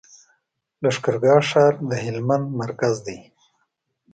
لښکر ګاه ښار د هلمند مرکز دی.